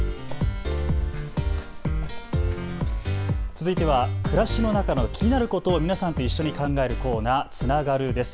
続いては暮らしの中の気になることを皆さんと一緒に考えるコーナー、つながるです。